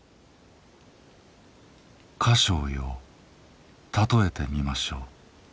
迦葉よ譬えてみましょう。